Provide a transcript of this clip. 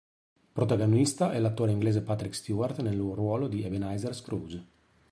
Protagonista è l'attore inglese Patrick Stewart nel ruolo di Ebenezer Scrooge.